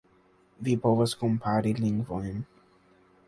Vi povas kompari lingvojn.